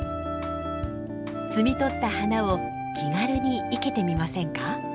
摘み取った花を気軽に生けてみませんか？